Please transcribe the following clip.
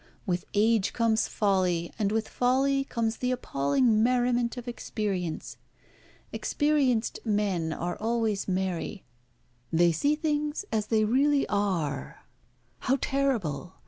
With age comes folly, and with folly comes the appalling merriment of experience. Experienced men are always merry. They see things as they really are. How terrible!